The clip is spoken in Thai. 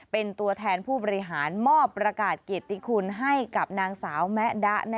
เป็นตัวแทนผู้บริหารมอบประกาศเกียรติคุณให้กับนางสาวแมะดะ